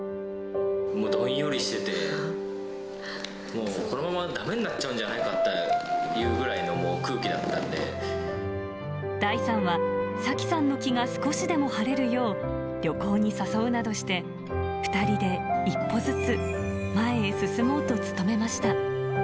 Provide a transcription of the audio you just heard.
もう、どんよりしてて、もうこのままだめになっちゃうんじゃないかっていうぐらいの空気大さんは、幸さんの気が少しでも晴れるよう、旅行に誘うなどして、２人で一歩ずつ前へ進もうと努めました。